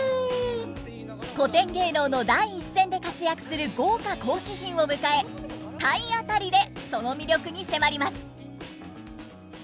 古典芸能の第一線で活躍する豪華講師陣を迎え体当たりでその魅力に迫ります。